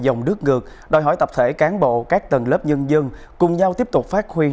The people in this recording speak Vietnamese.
đội dòng đứt ngược đòi hỏi tập thể cán bộ các tầng lớp nhân dân cùng nhau tiếp tục phát khuyên